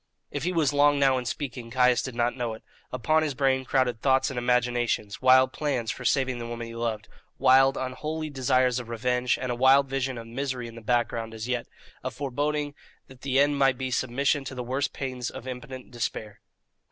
If he was long now in speaking, Caius did not know it. Upon his brain crowded thoughts and imaginations: wild plans for saving the woman he loved; wild, unholy desires of revenge; and a wild vision of misery in the background as yet a foreboding that the end might be submission to the worst pains of impotent despair.